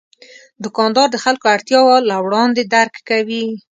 دوکاندار د خلکو اړتیا له وړاندې درک کوي.